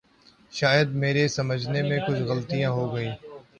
شاید میرے سمجھنے میں کچھ غلطی ہو گئی۔